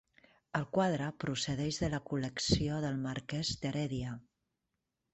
El quadre procedeix de la col·lecció del Marquès d'Heredia.